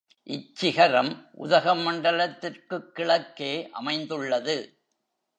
இச்சிகரம் உதகமண்டலத்திற்குக் கிழக்கே அமைந்துள்ளது.